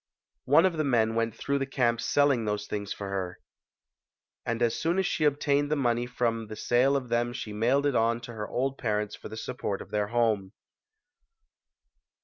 One of the men went through the camps selling these things for her. Almost HARRIET TUBMAN [ 99 as soon as she obtained the money from the sale of them she mailed it on to her old parents for the support of their home.